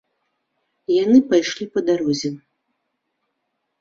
Яны пайшлі па дарозе.